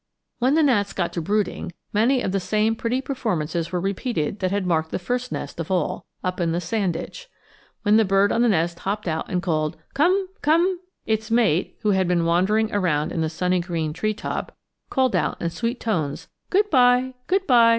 When the gnats got to brooding, many of the same pretty performances were repeated that had marked the first nest of all, up in the sand ditch. When the bird on the nest hopped out and called, "Come, come," its mate, who had been wandering around in the sunny green treetop, called out in sweet tones, "Good by, good by."